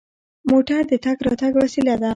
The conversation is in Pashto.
موټر د تګ راتګ وسیله ده.